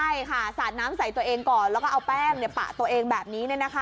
ใช่ค่ะสาดน้ำใส่ตัวเองก่อนแล้วก็เอาแป้งปะตัวเองแบบนี้